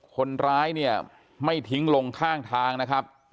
คนร้ายเนี่ยไม่ทิ้งลงข้างทางนะครับ